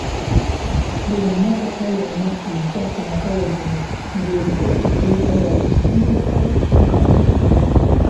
Buli mmotoka yonna ejja ku mukolo guno ng'eriko sitiika yakusimba wali mu kati.